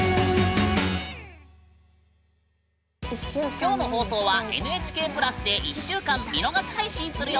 今日の放送は「ＮＨＫプラス」で１週間見逃し配信するよ！